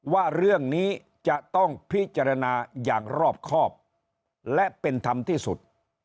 ว่าเรื่องนี้จะต้องพิจารณาอย่างรอบครอบและเป็นธรรมที่สุด